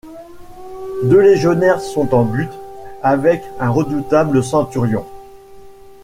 Deux légionnaires sont en butte avec un redoutable centurion.